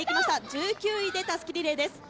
１９位で襷リレーです。